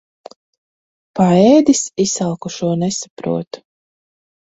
Paēdis izsalkušo nesaprot.